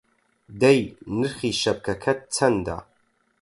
دەی نرخی شەپکەکەت چەندە!